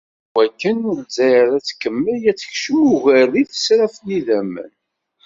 Iwakken Lezzayer ad tkemmel ad tekcem ugar deg tesraft n yidammen.